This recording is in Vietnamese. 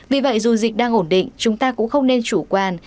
vì vậy dù dịch đang ổn định chúng ta cũng không nên chủ quan